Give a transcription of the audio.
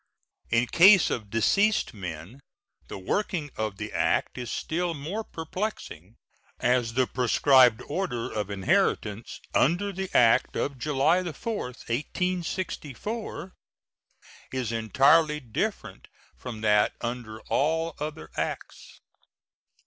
In case of deceased men the working of the act is still more perplexing, as the prescribed order of inheritance under the act of July 4, 1864, is entirely different from that under all other acts.